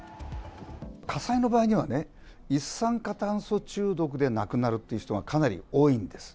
火災の場合にはね、一酸化炭素中毒で亡くなるっていう人がかなり多いんです。